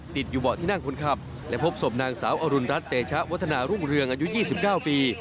ติดอยู่เบาะที่นั่งคนขับและพบศพนางสาวอรุณรัฐเตชะวัฒนารุ่งเรืองอายุ๒๙ปี